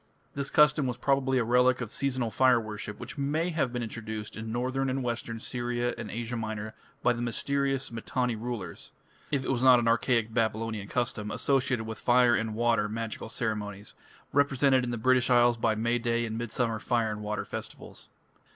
This custom was probably a relic of seasonal fire worship, which may have been introduced into Northern and Western Syria and Asia Minor by the mysterious Mitanni rulers, if it was not an archaic Babylonian custom associated with fire and water magical ceremonies, represented in the British Isles by May Day and Midsummer fire and water festivals.